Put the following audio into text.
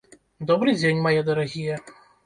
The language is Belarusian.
Добры дзень, мае дарагія.